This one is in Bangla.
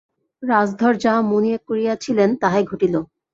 রাজধর যাহা মনে করিয়াছিলেন, তাহাই ঘটিল।